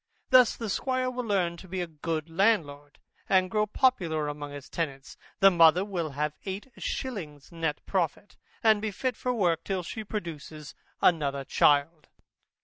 Thus the squire will learn to be a good landlord, and grow popular among his tenants, the mother will have eight shillings neat profit, and be fit for work till she produces another child.